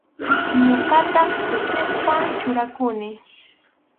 Ñuqataq kusisqa churakuni.